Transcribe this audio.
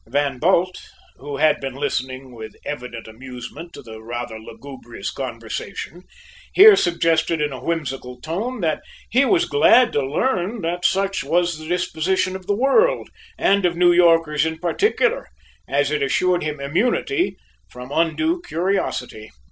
Van Bult, who had been listening with evident amusement to the rather lugubrious conversation, here suggested in a whimsical tone that he was glad to learn that such was the disposition of the world, and of New Yorkers in particular, as it assured him immunity from undue curiosity.